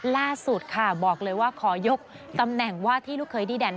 ล่าสุดค่ะบอกเลยว่าขอยกตำแหน่งว่าที่ลูกเคยดีแด่น